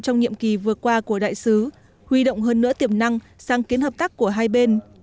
trong nhiệm kỳ vừa qua của đại sứ huy động hơn nữa tiềm năng sang kiến hợp tác của hai bên